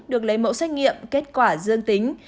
được lấy mẫu xét nghiệm kết quả dương tính